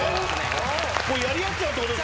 やり合っちゃうってこと？